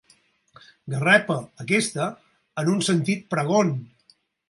Garrepa, aquesta, en un sentit pregon.